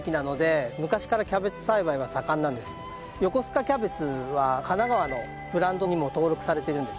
横須賀キャベツは神奈川のブランドにも登録されているんです。